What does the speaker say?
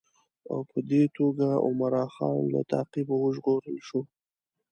او په دې توګه عمرا خان له تعقیبه وژغورل شو.